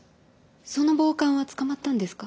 その暴漢は捕まったんですか？